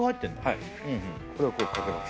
はいこれをこうかけます